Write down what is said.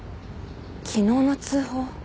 昨日の通報。